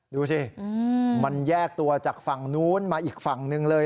ดูสิมันแยกตัวจากฝั่งนู้นมาอีกฝั่งหนึ่งเลย